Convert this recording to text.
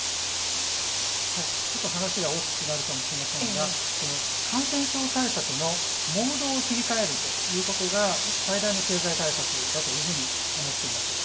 ちょっと話が大きくなるかもしれませんが感染症対策のモードを切り替えるということが最大の経済対策だというふうに思っています。